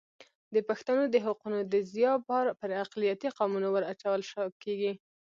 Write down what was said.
د پښتنو د حقونو د ضیاع بار پر اقلیتي قومونو ور اچول کېږي.